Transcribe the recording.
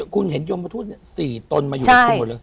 คุณเห็นยูโมทูต๔ตนมาอยู่ที่ไหน